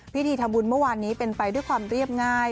พิธีทำบุญเมื่อวานนี้เป็นไปด้วยความเรียบง่าย